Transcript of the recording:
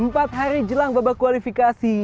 empat hari jelang babak kualifikasi